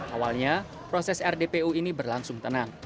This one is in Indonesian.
awalnya proses rdpu ini berlangsung tenang